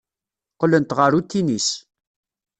Qqlent ɣer utinis.